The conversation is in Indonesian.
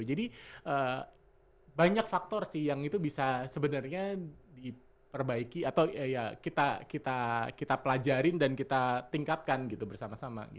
jadi banyak faktor sih yang itu bisa sebenarnya diperbaiki atau ya kita pelajarin dan kita tingkatkan gitu bersama sama gitu